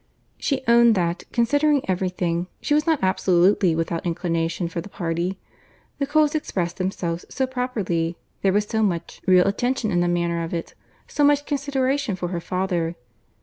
She owned that, considering every thing, she was not absolutely without inclination for the party. The Coles expressed themselves so properly—there was so much real attention in the manner of it—so much consideration for her father.